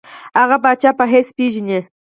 هغه پاچا په حیث پېژني.